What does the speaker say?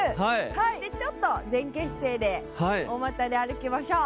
そしてちょっと前傾姿勢で大またで歩きましょう。